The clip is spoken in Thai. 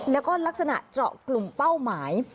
แล้วก็ลักษณะเจาะกลุ่มเป้าหมาย